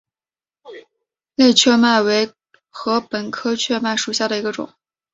类雀麦为禾本科雀麦属下的一个种。